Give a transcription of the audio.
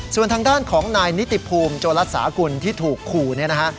ส่วนทางด้านของนายนิติภูมิโจรัสสากุลที่ถูกขู่เนี่ยนะฮะ